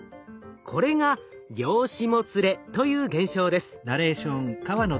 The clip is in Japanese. これが量子もつれという現象です。